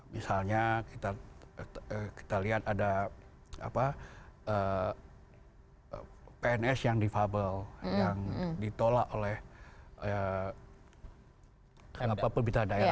misalnya kita lihat ada pns yang defable yang ditolak oleh pemerintah daerah